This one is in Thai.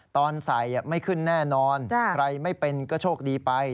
ตอนใส่ไม่ขึ้นแน่นอนใครไม่เป็นก็โชคดีไป